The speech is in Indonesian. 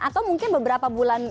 atau mungkin beberapa bulan